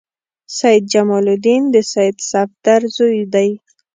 سید جمال الدین د سید صفدر زوی دی.